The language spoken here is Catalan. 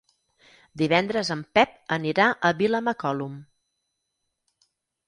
Divendres en Pep anirà a Vilamacolum.